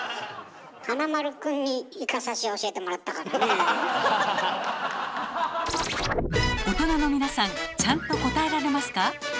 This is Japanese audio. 華丸くんに大人の皆さんちゃんと答えられますか？